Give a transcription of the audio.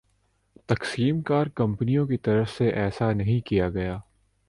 تقسیم کار کمپنیوں کی طرف سے ایسا نہیں کیا گیا